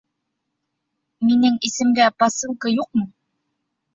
Минең исемгә посылка юҡмы?